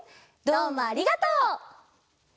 どうもありがとう。